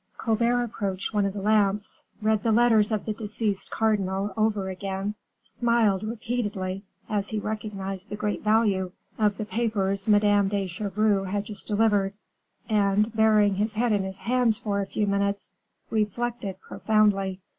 Colbert approached one of the lamps, read the letters of the deceased cardinal over again, smiled repeatedly as he recognized the great value of the papers Madame de Chevreuse had just delivered and burying his head in his hands for a few minutes, reflected profoundly.